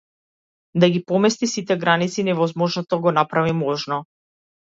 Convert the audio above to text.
Да ги помести сите граници и невозможното да го направи можно.